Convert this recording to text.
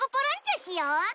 しよ！